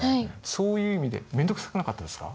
そういう意味で面倒くさくなかったですか？